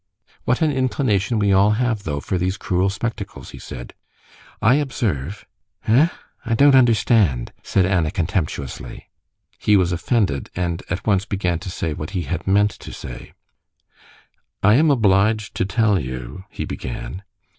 "What an inclination we all have, though, for these cruel spectacles," he said. "I observe...." "Eh? I don't understand," said Anna contemptuously. He was offended, and at once began to say what he had meant to say. "I am obliged to tell you," he began.